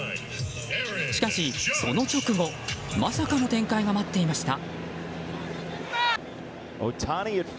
しかし、その直後まさかの展開が待っていました。